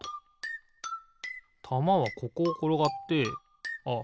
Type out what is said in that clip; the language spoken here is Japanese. たまはここをころがってあっ